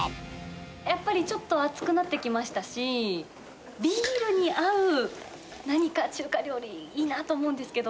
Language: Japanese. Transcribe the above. やっぱりちょっと暑くなってきましたし、ビールに合う、何か中華料理、いいなと思うんですけど。